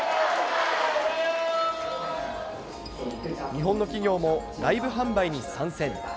日本の企業もライブ販売に参戦。